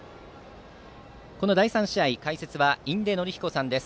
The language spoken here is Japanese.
この第３試合、解説は印出秀則さんです。